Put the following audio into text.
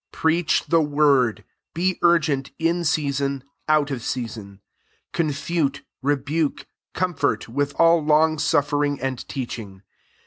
2 Preach^ the word; be urgent, in season, out of season ; confute^ rebuke, comfort, with all long suffering and teaching.